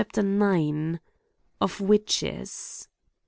IX Of Witches.